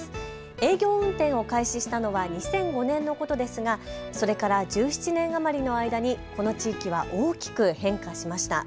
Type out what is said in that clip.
営業運転を開始したのは２００５年のことですがそれから１７年余りの間にこの地域は大きく変化しました。